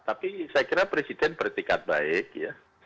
tapi saya kira presiden bertikat baik ya